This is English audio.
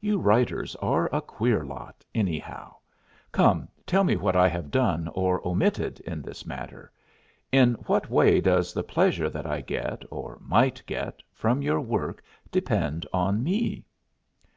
"You writers are a queer lot, anyhow. Come, tell me what I have done or omitted in this matter. In what way does the pleasure that I get, or might get, from your work depend on me?"